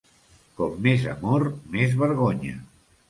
Com més amor, més vergonya.